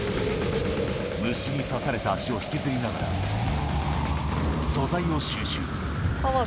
虫に刺された足を引きずりながらも、素材を収集。